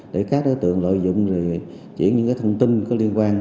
để các đối tượng lợi dụng chuyển những thông tin có liên quan